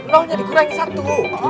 nolnya dikurangin satu